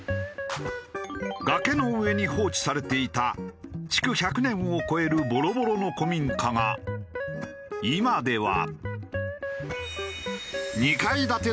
崖の上に放置されていた築１００年を超えるボロボロの古民家が今では。